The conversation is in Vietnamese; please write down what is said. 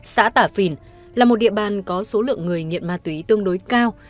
xã tả phìn là một địa bàn có số lượng người nghiện ma túy tương đối cao